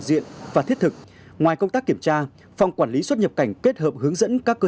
diện và thiết thực ngoài công tác kiểm tra phòng quản lý xuất nhập cảnh kết hợp hướng dẫn các cơ